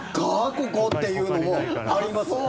ここ！っていうのもあります。